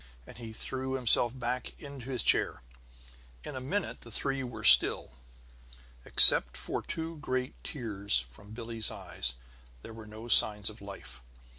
And he threw himself back into his chair. In a minute the three were still. Except for two great tears from Billie's eyes, there were no signs of life.